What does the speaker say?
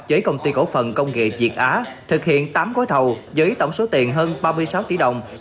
với công ty cổ phần công nghệ việt á thực hiện tám gói thầu với tổng số tiền hơn ba mươi sáu tỷ đồng